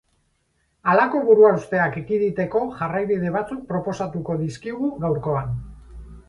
Halako buruhausteak ekiditeko jarraibide batzuk proposatu dizkigu gaurkoan.